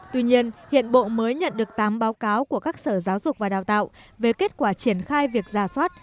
tuy nhiên hiện bộ mới nhận được tám báo cáo của các sở giáo dục và đào tạo về kết quả triển khai việc giả soát